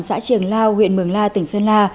xã trường lao huyện mường la tỉnh sơn la